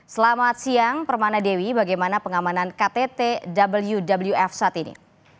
selamat siang permana dewi bagaimana pengamanan kttwf saat ini